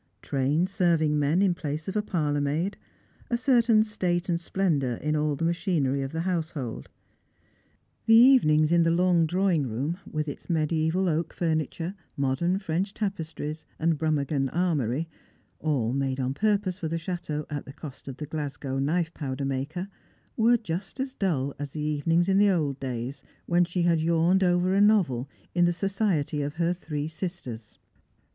Trained serving men in place of a parlour maid ; a certain state and splendour in all the machinery of the household. The even ings in the long drawing room, with its media3val oak furniture, modern French tapestries, and Brummagem armoury, all mada on purpose for the chateau at the cost of the Glasgow knife powder maker, were just as dull as the evenings in the old days, when she had yawned over a novel in the society of her three sisters.